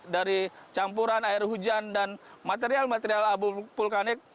dari campuran air hujan dan material material abu vulkanik